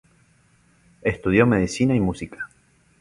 Estudió medicina y música.